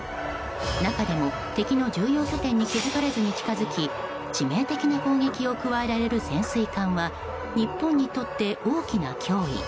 中でも敵の重要拠点に気づかれずに近づき致命的な攻撃を加えられる潜水艦は日本にとって大きな脅威。